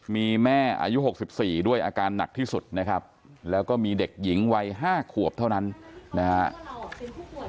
มีแม่อายุ๖๔ด้วยอาการหนักที่สุดนะครับแล้วก็มีเด็กหญิงวัย๕ขวบเท่านั้นนะครับ